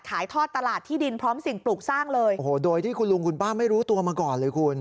ขายทอดตลาดที่ดินพร้อมสิ่งปลูกสร้างเลยโอ้โหโดยที่คุณลุงคุณป้าไม่รู้ตัวมาก่อนเลยคุณ